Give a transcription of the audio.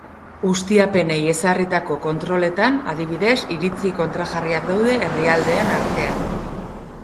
Ustiapenei ezarritako kontroletan, adibidez, iritzi kontrajarriak daude herrialdeen artean.